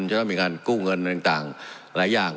จะต้องมีการกู้เงินต่างหลายอย่าง